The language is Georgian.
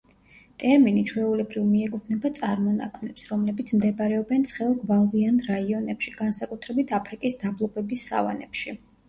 ტერმინი ჩვეულებრივ მიეკუთვნება წარმონაქმნებს, რომლებიც მდებარეობენ ცხელ გვალვიან რაიონებში, განსაკუთრებით აფრიკის დაბლობების სავანებში.